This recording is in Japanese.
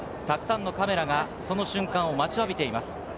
たくさんのカメラがその瞬間を待ちわびています。